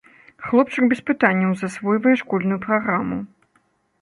Хлопчык без пытанняў засвойвае школьную праграму.